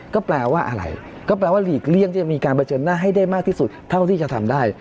ก็แปลว่าอะไรก็แปลว่าหลีกเลี่ยงที่จะมีการเผชิญหน้าให้ได้มากที่สุดเท่าที่จะทำได้